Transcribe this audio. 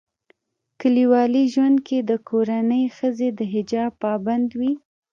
کلیوالي ژوندکي دکورنۍښځي دحجاب پابند وي